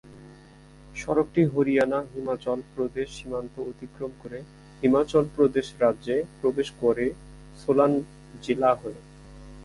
সড়কটি হরিয়ানা-হিমাচল প্রদেশ সীমান্ত অতিক্রম করে হিমাচল প্রদেশ রাজ্যে প্রবেশ করে সোলান জেলা হয়ে।